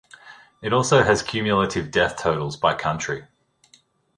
It also has cumulative death totals by country.